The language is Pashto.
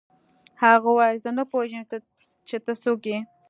هغه وویل زه نه پوهېږم چې ته څوک یې